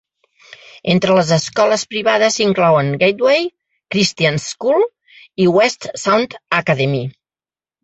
Entre les escoles privades s'inclouen Gateway Christian School i West Sound Academy.